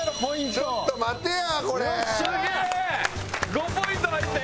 ５ポイント入った。